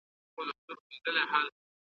او یو موټی کولو لپاره ,